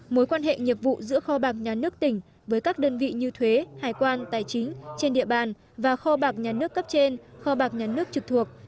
mối quan hệ nghiệp vụ giữa kho bạc nhà nước tỉnh với các đơn vị như thuế hải quan tài chính trên địa bàn và kho bạc nhà nước cấp trên kho bạc nhà nước trực thuộc